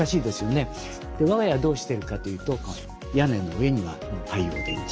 我が家はどうしてるかというと屋根の上には太陽電池。